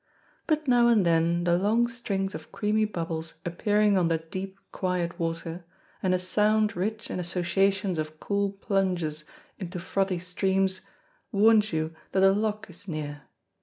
But now and then the long strings of creamy bubbles appearing on the deep, quiet water, and a sound rich in associations of cool plunges into frothy streams, warns you that a lock is near.